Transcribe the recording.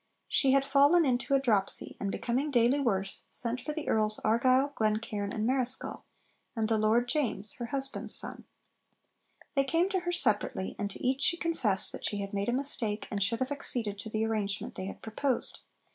She had fallen into a dropsy, and, becoming daily worse, sent for the Earls Argyll, Glencairn, and Marischal, and the Lord James (her husband's son). They came to her separately, and to each she confessed that she had made a mistake, and should have acceded to the arrangement they had proposed.